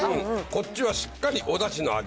こっちはしっかりおだしの味。